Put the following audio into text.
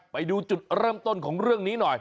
ไปดูจุดเริ่มต้นของเรื่องนี้หน่อย